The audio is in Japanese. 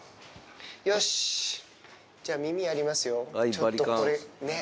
よし、じゃあ耳やりますよ。